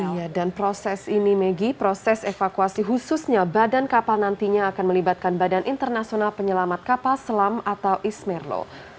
iya dan proses ini megi proses evakuasi khususnya badan kapal nantinya akan melibatkan badan internasional penyelamat kapal selam atau ismerlo